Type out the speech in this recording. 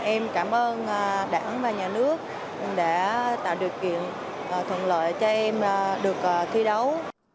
em cảm ơn đảng và nhà nước đã tạo điều kiện thuận lợi cho em được thi đấu